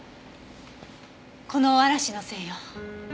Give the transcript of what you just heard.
この嵐のせいよ。